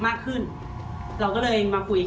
ทุกคนก็คิดแบบมีพลังบวก